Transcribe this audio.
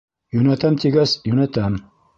Йүнәтәм тигәс, йүнәтәм!